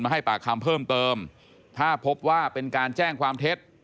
ให้ปากคำเพิ่มเติมถ้าพบว่าเป็นการแจ้งความเท็จ